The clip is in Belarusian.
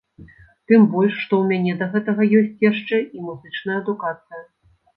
Тым больш, што ў мяне да гэтага ёсць яшчэ і музычная адукацыя.